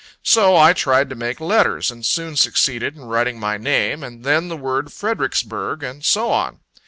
So I tried to make letters, and soon succeeded in writing my name, and then the word Fredericksburg, and so on.